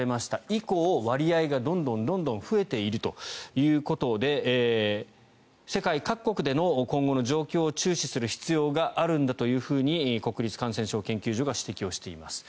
以降、割合がどんどん増えているということで世界各国での今後の状況を注視する必要があるんだというふうに国立感染症研究所が指摘をしています。